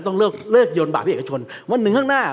ต้องเลิกเลิกโยนบาปให้เอกชนวันหนึ่งข้างหน้า